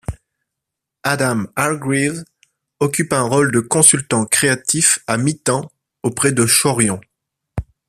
Adam Hargreaves occupe un rôle de consultant créatif à mi-temps auprès de Chorion.